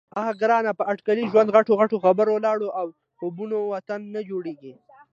_اه ګرانه! په اټکلي ژوند، غټو غټو خبرو، لاړو او خوبونو وطن نه جوړېږي.